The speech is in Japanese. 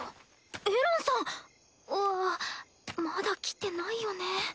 エランさんはまだ来てないよね。